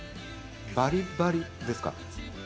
「バリバリ」ですか？